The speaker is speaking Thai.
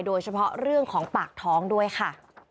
โดยเฉพาะเรื่องของปากท้องด้วยค่ะ